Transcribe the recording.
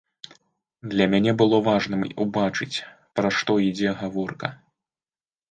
Для мяне было важным убачыць, пра што ідзе гаворка.